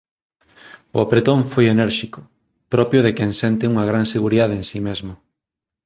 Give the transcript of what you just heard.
O apertón foi enérxico, propio de quen sente unha gran seguridade en si mesmo.